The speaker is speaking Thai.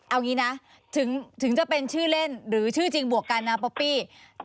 เอางี้นะถึงจะเป็นชื่อเล่นหรือชื่อจริงบวกกันนะป๊อปปี้